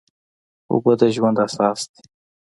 اوبه د ژوند اساس دي.